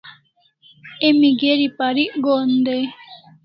Emi geri parik gohan dai